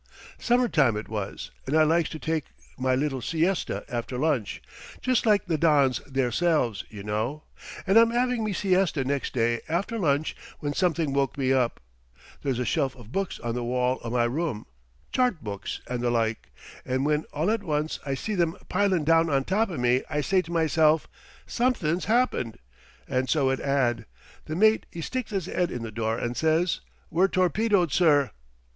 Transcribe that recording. "Summer time it was, and I likes to take my little siesta after lunch just like the Dons theirselves, y' know and I'm 'aving me siesta next day after lunch when something woke me up. There's a shelf of books on the wall o' my room chart books and the like and when all at once I see them pilin' down on top of me I say to myself: 'Somethin's 'appened.' And so it 'ad. The mate 'e sticks 'is 'ead in the door and says: 'We're torpedoed, sir.'